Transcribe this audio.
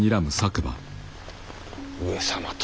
上様と。